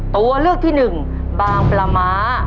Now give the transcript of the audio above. ตัวเลือกที่หนึ่งบางปลาม้า